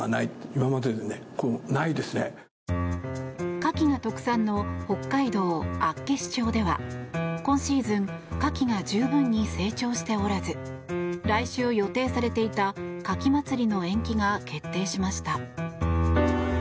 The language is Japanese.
カキが特産の北海道厚岸町では今シーズンカキが十分に成長しておらず来週予定されていた牡蠣まつりの延期が決定しました。